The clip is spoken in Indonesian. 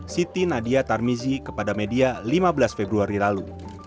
siti nadia tarmizi kepada media lima belas februari lalu